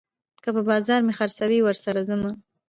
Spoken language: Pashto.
که په بازار مې خرڅوي، ورسره ځمه